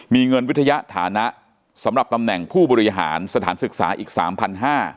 มีเงินวิทยาฐานะสำหรับตำแหน่งผู้บริหารสถานศึกษาอีก๓๕๐๐บาท